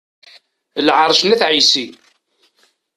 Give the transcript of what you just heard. Lɛerc n At ɛisi.